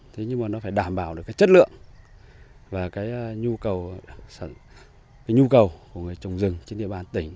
thế nhưng mà nó phải đảm bảo được cái chất lượng và cái nhu cầu của người trồng rừng trên địa bàn tỉnh